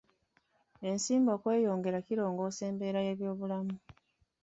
Ensimbi okweyongera kirongoosa embeera y'obulamu.